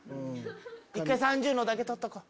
１回３０のだけ撮っとこう。